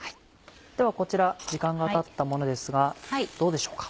ではこちら時間がたったものですがどうでしょうか。